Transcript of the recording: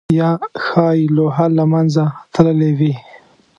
یا ښايي لوحه له منځه تللې وي؟